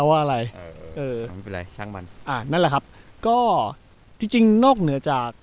ว่าอะไรเออเออไม่เป็นไรช่างมันอ่านั่นแหละครับก็จริงจริงนอกเหนือจาก